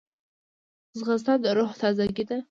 ځغاسته د روح تازګي ده